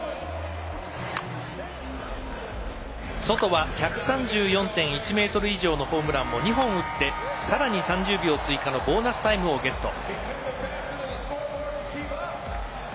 ソトは、１３４．１ｍ以上のホームランを２本打ってさらに３０秒追加のボーナスタイムをゲット。